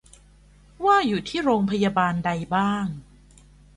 ว่าอยู่ที่โรงพยาบาลใดบ้าง